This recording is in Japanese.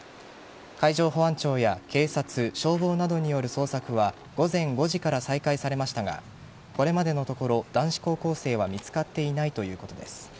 海上保安庁や警察消防などによる捜索は午前５時から再開されましたがこれまでのところ、男子高校生は見つかっていないということです。